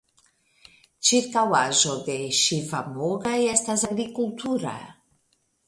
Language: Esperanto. Ĉirkaŭaĵo de Ŝivamogga estas agrikultura.